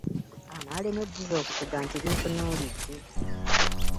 Anaalemwa ebbuzi okutuga nti lintunuulidde.